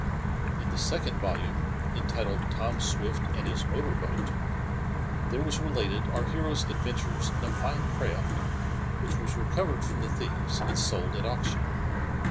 In the second volume, entitled "Tom Swift and His Motor Boat," there was related our hero's adventures in a fine craft which was recovered from the thieves and sold at auction.